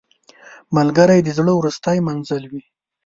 ملګری د زړه وروستی منزل وي